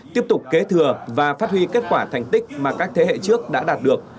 tiếp tục kế thừa và phát huy kết quả thành tích mà các thế hệ trước đã đạt được